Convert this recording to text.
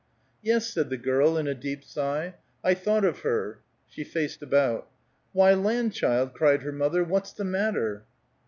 "Yes," said the girl, in a deep sigh. "I thought of her." She faced about. "Why, land, child!" cried her mother, "what's the matter?"